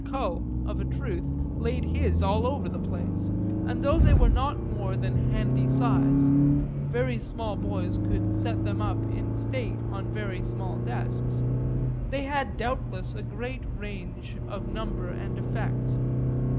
Coe, of a truth, laid his all over the place, and though they were not of more than handy size very small boys could set them up in state on very small desks they had doubtless a great range of number and effect.